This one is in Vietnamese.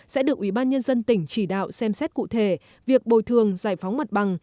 sẽ được ubnd tỉnh chỉ đạo xem xét cụ thể việc bồi thường giải phóng mặt bằng